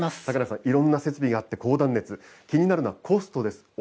竹中さん、いろんな設備があって高断熱、気になるのは、コストです。